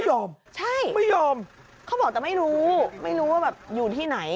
ใช่ไม่ยอมเขาบอกแต่ไม่รู้ไม่รู้ว่าแบบอยู่ที่ไหน